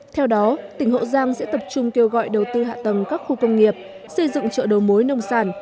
theo đó tỉnh hậu giang sẽ tập trung kêu gọi đầu tư hạ tầng các khu công nghiệp xây dựng chợ đầu mối nông sản